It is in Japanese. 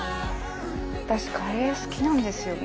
私カレー好きなんですよね。